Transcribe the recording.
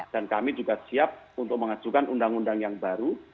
dan kami juga siap untuk mengajukan undang undang yang baru